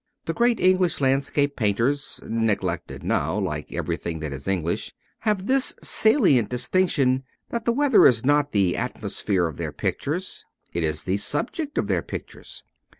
The great English landscape painters (neglected now, like everything that is English) have this salient dis tinction, that the weather is not the atmosphere of their pictures : it is the subject of their pictures.